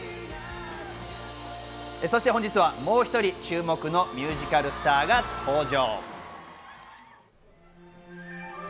そして本日はもう１人、注目のミュージカルスターが登場。